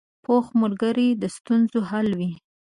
پوخ ملګری د ستونزو حل وي